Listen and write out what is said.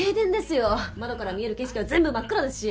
窓から見える景色は全部真っ暗だし。